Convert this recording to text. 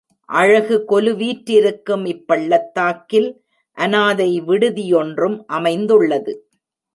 அழகு கொலுவீற்றிருக்கும் இப்பள்ளத்தாக்கில் அனாதை விடுதி யொன்றும் அமைந்துள்ளது.